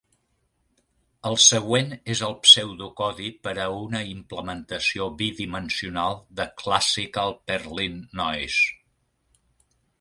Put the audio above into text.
El següent és el pseudocodi per a una implementació bidimensional de Classical Perlin Noise.